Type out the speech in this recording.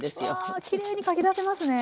うわきれいにかき出せますね。